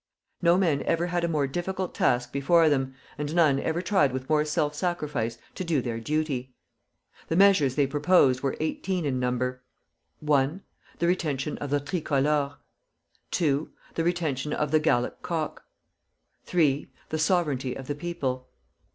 No men ever had a more difficult task before them, and none ever tried with more self sacrifice to do their duty. The measures they proposed were eighteen in number: 1. The retention of the tricolor. 2. The retention of the Gallic cock. 3. The sovereignty of the people.